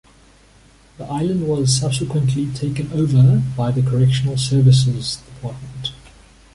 The island was subsequently taken over by the Correctional Services Department.